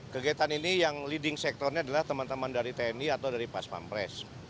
kegiatan ini yang leading sektornya adalah teman teman dari tni atau dari pas pampres